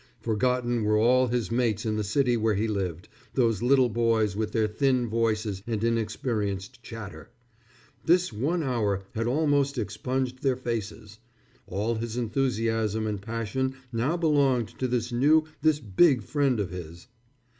Forgotten were all his mates in the city where he lived, those little boys with their thin voices and inexperienced chatter. This one hour had almost expunged their faces. All his enthusiasm and passion now belonged to this new, this big friend of his.